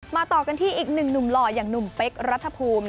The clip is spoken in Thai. ต่อกันที่อีกหนึ่งหนุ่มหล่ออย่างหนุ่มเป๊กรัฐภูมิ